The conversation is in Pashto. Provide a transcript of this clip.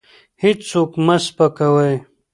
هېڅوک مه سپکوئ.